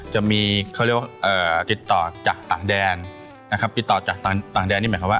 จะมีเขาเรียกว่าติดต่อจากต่างแดนนะครับติดต่อจากต่างแดนนี่หมายความว่า